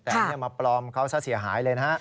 แต่ว่าผมจะมาปลอมเค้าจะเสียหายเลยนะฮะ